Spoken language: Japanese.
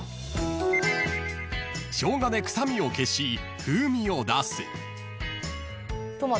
［ショウガで臭みを消し風味を出す］